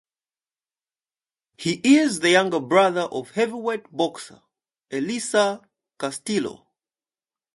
He is the younger brother of Heavyweight boxer Elieser Castillo.